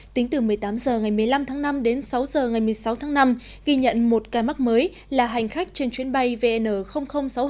tính từ một mươi tám h ngày một mươi năm tháng năm đến sáu h ngày một mươi sáu tháng năm ghi nhận một ca mắc mới là hành khách trên chuyến bay vn sáu mươi hai